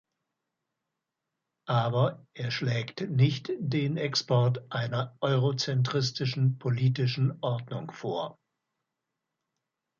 Aber er schlägt nicht den Export einer eurozentristischen politischen Ordnung vor.